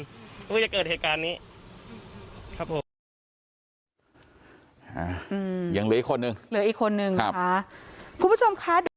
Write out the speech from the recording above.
เพราะว่าจะเกิดเหตุการณ์นี้ครับผม